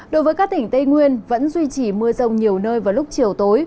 đối với các tỉnh tây nguyên vẫn duy trì mưa rông nhiều nơi vào lúc chiều tối